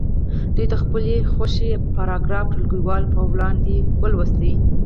دوی دې د خپلې خوښې پاراګراف ټولګیوالو په وړاندې ولولي.